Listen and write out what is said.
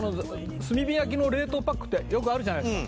炭火焼の冷凍パックってよくあるじゃないですか